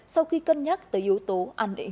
sau khi cân nhắc tới yếu tố an định